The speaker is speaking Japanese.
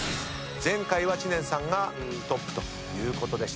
前回は知念さんがトップということでした。